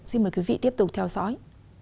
xin mời quý vị tiếp tục theo dõi